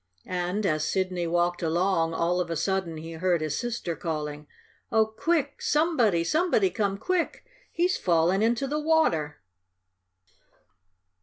And, as Sidney walked along, all of a sudden he heard his sister calling. "Oh, quick, somebody! Somebody come quick! He's fallen into the water!"